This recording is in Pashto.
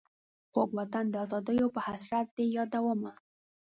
خوږ وطن د آزادیو په حسرت دي یادومه.